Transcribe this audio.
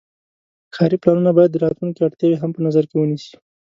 ښاري پلانونه باید د راتلونکي اړتیاوې هم په نظر کې ونیسي.